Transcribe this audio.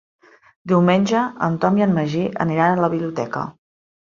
Diumenge en Tom i en Magí aniran a la biblioteca.